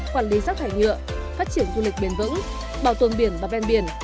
quản lý rác thải nhựa phát triển du lịch bền vững bảo tồn biển và ven biển